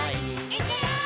「いくよー！」